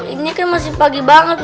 ini kan masih pagi banget